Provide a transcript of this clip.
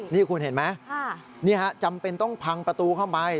นี่คุณเห็นไหมนี่ฮะจำเป็นต้องพังประตูเข้าไป